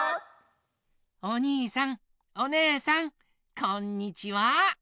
おにいさんおねえさんこんにちは！